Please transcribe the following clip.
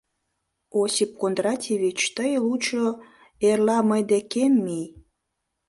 — Осип Кондратьевич, тый лучо эрла мый декем мий.